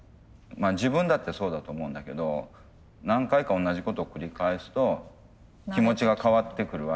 まあ自分だってそうだと思うんだけど何回か同じことを繰り返すと気持ちが変わってくるわけでしょ。